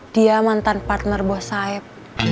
dia mantan partner bos saeb